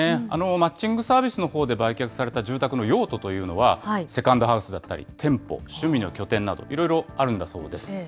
マッチングサービスのほうで売却された住宅の用途というのは、セカンドハウスだったり、店舗、趣味の拠点など、いろいろあるんだそうです。